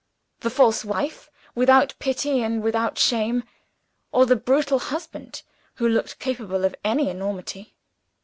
The false wife, without pity and without shame or the brutal husband, who looked capable of any enormity?